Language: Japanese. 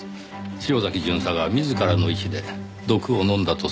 潮崎巡査が自らの意志で毒を飲んだとすれば。